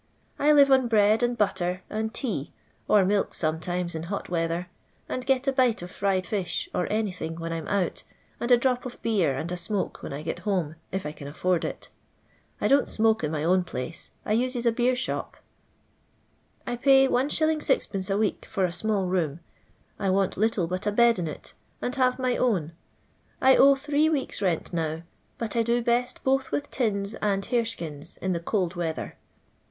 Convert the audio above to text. I live on bread and butter and tea, or milk aometimes in hot weather, and get a bite <tf fried fish or anything when I *m out, and a drop of beer and a smoke when I get home, if I can afford it. I don't smoke in my own place, I uses a beer shop. I pay Ig. 6il. a week for a small room ; I want little but a bed in it, and have my own. 1 owe tliree weeks' rent now; but I do best both with tins and harcskins in the cold weather.